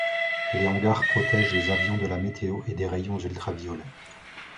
Les hangars protègent les avions de la météo et des rayons ultraviolets.